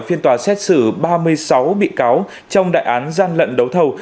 phiên tòa xét xử ba mươi sáu bị cáo trong đại án gian lận đấu thầu